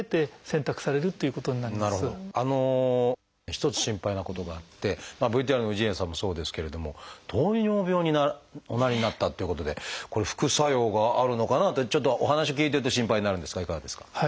一つ心配なことがあってＶＴＲの氏家さんもそうですけれども糖尿病におなりになったっていうことでこれ副作用があるのかなってちょっとお話を聞いてて心配になるんですがいかがですか？